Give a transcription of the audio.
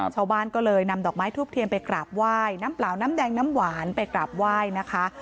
ชาวบ้านก็เลยนำดอกไม้ทูบเทียนไปกราบไหว้น้ำเปล่าน้ำแดงน้ำหวานไปกราบไหว้นะคะ